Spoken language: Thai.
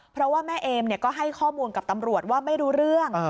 เพราะว่าแม่เอมก็ให้ข้อมูลกับตำรวจว่าไม่รู้เรื่อง